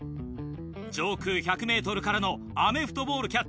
上空１００ｍからのアメフトボールキャッチ。